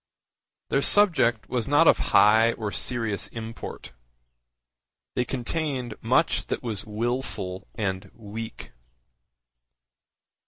Their subject was not of high or serious import. They contained much that was wilful and weak.